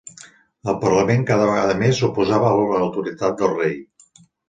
El parlament cada vegada més s'oposava a l'autoritat del rei.